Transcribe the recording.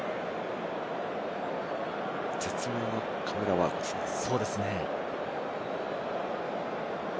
絶妙なカメラワークですね。